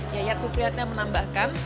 yayat supriyatna menambahkan